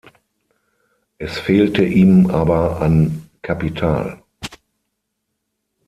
Es fehlte ihm aber an Kapital.